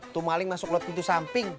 itu maling masuk lewat pintu samping